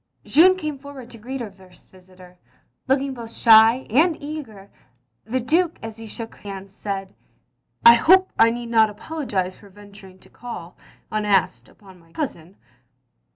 Jeanne came forward to greet her first visitor, looking both shy and eager, and the Duke as he shook hands, said, " I hope I need not apologise for venturing to call, unasked, upon my cousin.